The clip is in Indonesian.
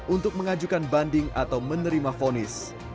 untuk mengajukan banding atau menerima fonis